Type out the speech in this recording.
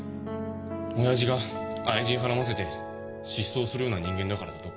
「親父が愛人はらませて失踪するような人間だからだ」と。